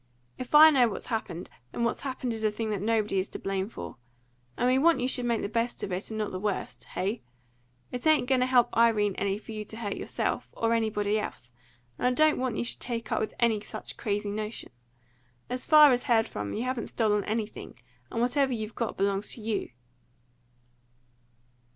If I know what's happened, then what's happened is a thing that nobody is to blame for. And we want you should make the best of it and not the worst. Heigh? It ain't going to help Irene any for you to hurt yourself or anybody else; and I don't want you should take up with any such crazy notion. As far as heard from, you haven't stolen anything, and whatever you've got belongs to you."